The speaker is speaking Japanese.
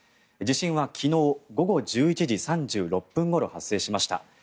地震は昨日午後１１時３６分ごろ発生しました。